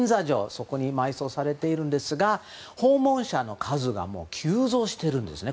そこに埋葬されているんですが訪問者の数が急増してるんですね